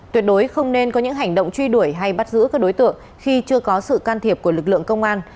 tuyệt đối không nên có những hành động truy đuổi hay bắt giữ các đối tượng khi chưa có sự can thiệp của lực lượng công an